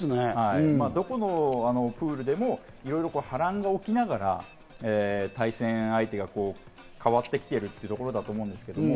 どこのプールでも波乱が起きながら、対戦相手が変わってきているというところだと思うんですけど。